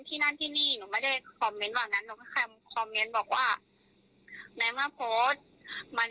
ที่นั่นที่นี่หนูไม่ได้คอมเม้นต์หลังนั้นหนูค่อยคอมเม้นต์บอกว่าไม่มาโพสต์